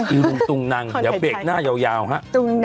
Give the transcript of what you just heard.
อื้ออื้อตุ้งนังเดี๋ยวเปรกหน้ายาวฮะ